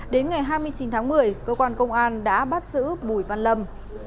đến ngày hai mươi chín tháng một mươi cơ quan công an đã bắt giữ bùi văn lâm